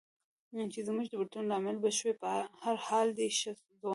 چې زموږ د بېلتون لامل به شوې، په هر حال دی ښه ځوان و.